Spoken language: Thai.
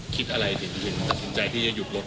คิดอะไรที่จะสนใจที่จะหยุดรถ